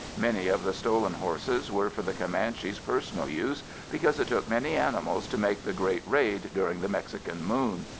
Many of the stolen horses were for the Comanche's personal use, because it took many animals to make the great raid during the Mexican Moon.